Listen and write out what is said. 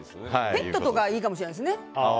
ペットとかいいかもしれないですね。